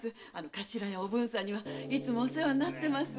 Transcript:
頭やおぶんさんにはいつもお世話になってます。